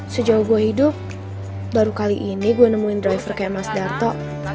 sejauh gue hidup baru kali ini gue nemuin driver kayak mas darto